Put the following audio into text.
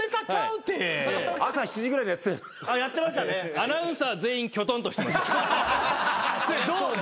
アナウンサー全員きょとんとしてました。